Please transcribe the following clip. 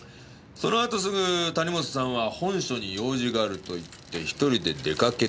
そのあとすぐ谷本さんは本署に用事があると言って１人で出かけていった。